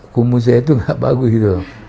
kumusnya itu nggak bagus gitu loh